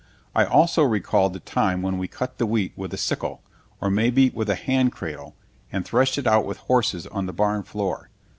I also recalled the time when we cut the wheat with a sickle, or maybe with a hand cradle, and threshed it out with horses on the barn floor.